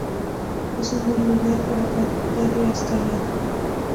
Es un buen lugar para practicar la escalada.